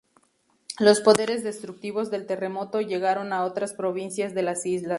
Los poderes destructivos del terremoto llegaron a otras provincias de las islas.